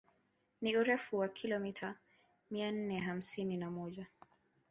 Ni urefu wa kilomita mia nne hamsini na moja